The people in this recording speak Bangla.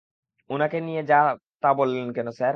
উনাকে নিয়া যা-তা বললেন কেন স্যার?